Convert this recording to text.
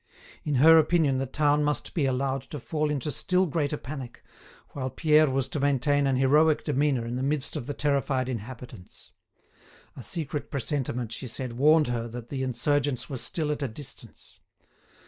In her opinion the town must be allowed to fall into still greater panic, while Pierre was to maintain an heroic demeanour in the midst of the terrified inhabitants. A secret presentiment, she said, warned her that the insurgents were still at a distance.